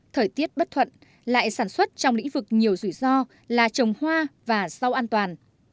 thời tiết bất thuận lại sản xuất trong lĩnh vực nhiều rủi ro là trồng hoa và rau an toàn